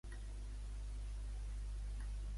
Creu que és possible recuperar el carril polític?